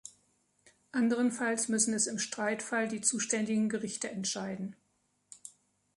Anderenfalls müssen es im Streitfall die zuständigen Gerichte entscheiden.